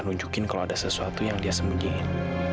nunjukin kalau ada sesuatu yang dia sembunyiin